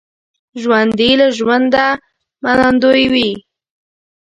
ژوندي له ژونده منندوی وي